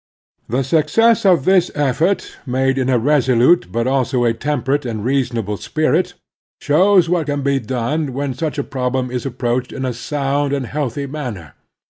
The success of this effort, made in a resolute but also a temperate and reasonable spirit, shows what can be done when such a problem is approached in a sound and healthy manner.